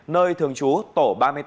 nơi thường trú tổ ba mươi tám